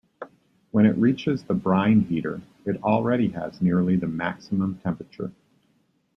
When it reaches the brine heater it already has nearly the maximum temperature.